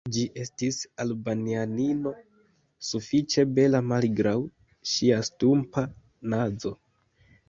Ĝi estis Albanianino sufiĉe bela, malgraŭ ŝia stumpa nazo.